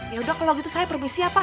yaudah kalau gitu saya permisi ya pak